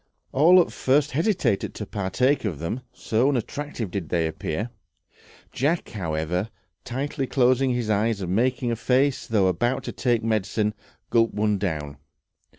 All at first hesitated to partake of them, so unattractive did they appear. Jack, however, tightly closing his eyes and making a face as though about to take medicine, gulped one down.